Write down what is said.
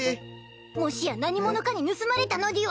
もしや何者かに盗まれたのでぃは？